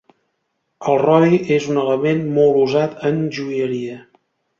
El rodi és un element molt usat en joieria.